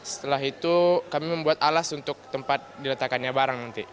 setelah itu kami membuat alas untuk tempat diletakkannya barang nanti